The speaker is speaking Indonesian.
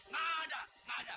gak ada gak ada